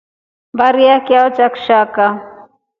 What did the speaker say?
Mbari ya chao cha kshaka.